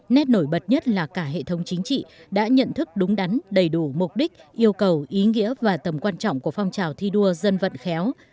nét nổi bật nhất là cả hệ thống chính trị đã nhận thức đúng đắn đầy đủ mục đích yêu cầu ý nghĩa và tầm quan trọng của phong trào thi đua dân vận khéo